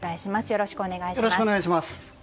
よろしくお願いします。